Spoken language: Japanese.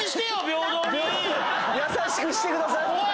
優しくしてください！